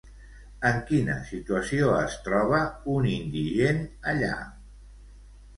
En quina situació es troba un indigent allà?